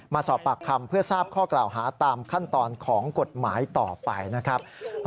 มาสอบปากคำเพื่อทราบข้อกล่าวหาตามขั้นตอนของกฎหมายต่อไปนะครับ